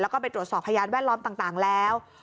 แล้วก็ไปตรวจสอบพยานแวดล้อมต่างแล้ว